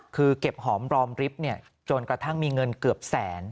คือเก็บหอมรอมริฟท์จนกระทั่งมีเงินเกือบแสน